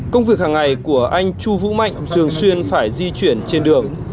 công việc hàng ngày của anh chu vũ mạnh thường xuyên phải di chuyển trên đường